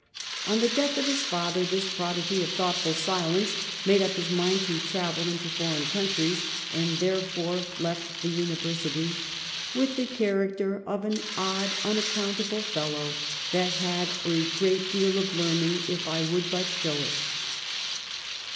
On the death of his father this prodigy of thoughtful silence made up his mind to travel into foreign countries, and therefore left the university ' with the character of an odd unaccount able fellow, that had a great deal of learning, if I would but show it.